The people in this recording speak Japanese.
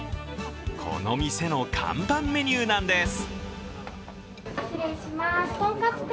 この店の看板メニューなんです。